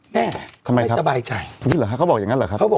แม่ไม่สบายใจเขาบอกอย่างนั้นหรอครับ